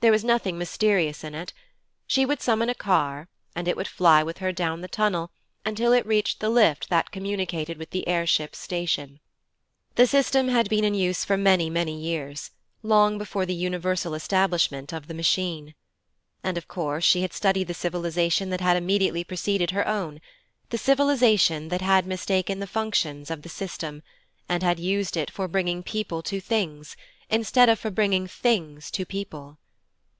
There was nothing mysterious in it. She would summon a car and it would fly with her down the tunnel until it reached the lift that communicated with the air ship station: the system had been in use for many, many years, long before the universal establishment of the Machine. And of course she had studied the civilization that had immediately preceded her own the civilization that had mistaken the functions of the system, and had used it for bringing people to things, instead of for bringing things to people.